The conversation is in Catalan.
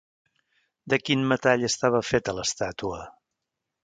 De quin metall estava feta l'estàtua?